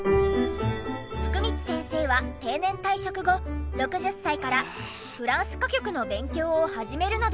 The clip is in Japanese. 福光先生は定年退職後６０歳からフランス歌曲の勉強を始めるなど。